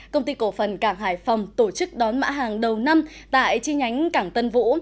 công ty cổ phần cảng hải phòng tổ chức đón mã hàng đầu năm tại chi nhánh cảng tân vũ